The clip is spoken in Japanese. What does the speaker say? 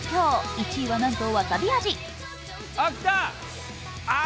１位は、なんとわさび味。